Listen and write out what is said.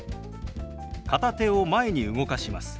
片手を前に動かします。